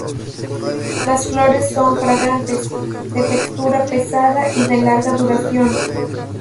Las flores son fragantes, de textura pesada y de larga duración.